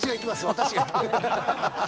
私が」。